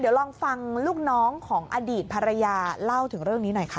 เดี๋ยวลองฟังลูกน้องของอดีตภรรยาเล่าถึงเรื่องนี้หน่อยค่ะ